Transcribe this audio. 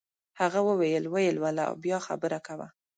هغه وویل ویې لوله او بیا خبره کوه.